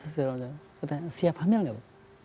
siap hamil gak bu